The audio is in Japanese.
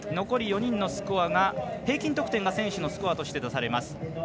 残り４人のスコアの平均得点が選手のスコアとして出されます。